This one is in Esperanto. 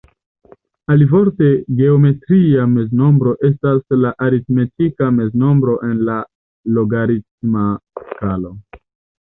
Alivorte, geometria meznombro estas la aritmetika meznombro en la logaritma skalo.